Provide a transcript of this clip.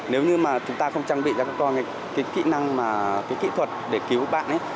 nếu như mà chúng ta không trang bị cho các con cái kỹ năng mà kỹ thuật để cứu bạn ấy